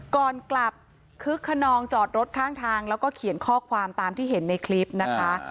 ก่อนกลับคึกขนองจอดรถข้างทางแล้วก็เขียนข้อความตามที่เห็นในคลิปนะคะ